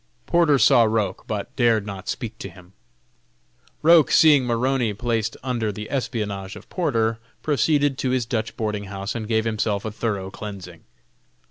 Porter saw Roch, but dared not speak to him. Roch seeing Maroney placed under the espionage of Porter, proceeded to his Dutch boarding house and gave himself a thorough cleansing.